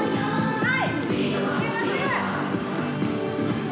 はい！